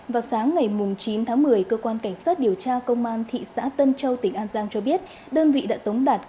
vào sáng ngày chín tháng một mươi cơ quan cảnh sát điều tra công an thị xã tân châu tỉnh an giang cho biết